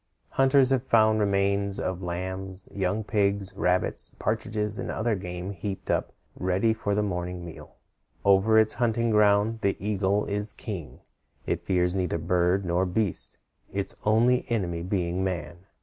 Hunters have found remains of lambs, young pigs, rabbits, partridges, and other game heaped up ready for the morning meal. [Illustration: EAGLES FIGHTING OVER A CHAMOIS.] Over its hunting ground the eagle is king. It fears neither bird nor beast, its only enemy being man.